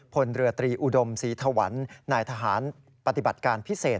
พลเรือตรีอุดมศรีธวรรณนายทหารปฏิบัติการพิเศษ